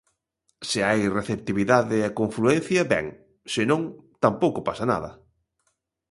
Se hai receptividade e confluencia, ben, senón tampouco pasa nada.